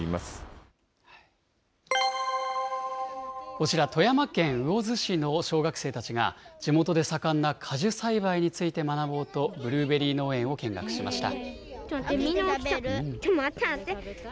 こちら、富山県魚津市の小学生たちが、地元で盛んな果樹栽培について学ぼうと、ブルーベリー農園を見学しました。